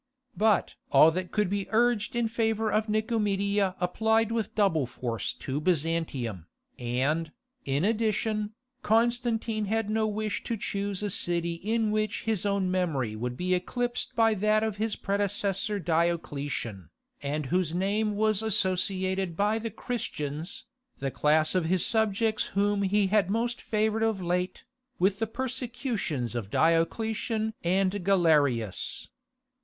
But all that could be urged in favour of Nicomedia applied with double force to Byzantium, and, in addition, Constantine had no wish to choose a city in which his own memory would be eclipsed by that of his predecessor Diocletian, and whose name was associated by the Christians, the class of his subjects whom he had most favoured of late, with the persecutions of Diocletian and Galerius.